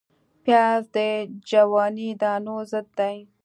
پیاز د جواني دانو ضد دی